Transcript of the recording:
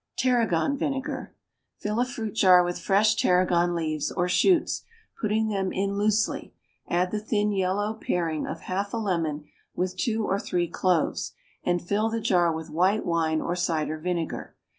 =Tarragon Vinegar.= Fill a fruit jar with fresh tarragon leaves or shoots, putting them in loosely; add the thin yellow paring of half a lemon with two or three cloves, and fill the jar with white wine or cider vinegar.